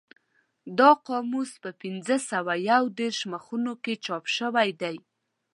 دا قاموس په پینځه سوه یو دېرش مخونو کې چاپ شوی دی.